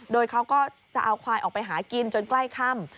โดยเขาก็จะเอาควายออกไปหากินจนใกล้ค่ำ